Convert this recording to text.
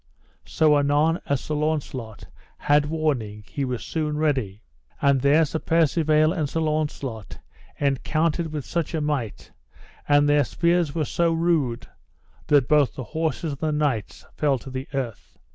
So anon as Sir Launcelot had warning he was soon ready; and there Sir Percivale and Sir Launcelot encountered with such a might, and their spears were so rude, that both the horses and the knights fell to the earth.